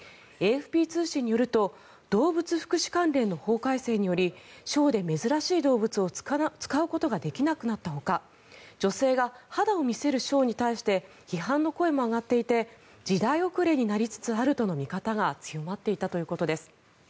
ＡＦＰ通信によると動物福祉関連の法改正によりショーで珍しい動物を使うことができなくなったほか女性が肌を見せるショーに対して批判の声も上がっていて時代遅れになりつつあるとの見方が強まっていたようです。